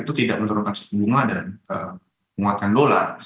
itu tidak menurunkan suku bunga dan menguatkan dolar